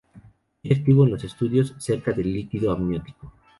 Muy activo en los estudios cerca del líquido amniótico.